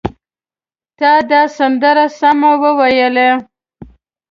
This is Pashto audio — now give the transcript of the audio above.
تا دا سندره سمه وویلې!